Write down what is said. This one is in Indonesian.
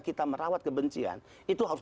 kita merawat kebencian itu harus